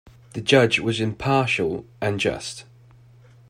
The judge was impartial and just.